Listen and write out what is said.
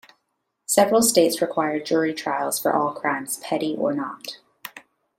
Several states require jury trials for all crimes, "petty" or not.